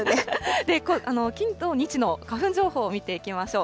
金、土、日の花粉情報を見ていきましょう。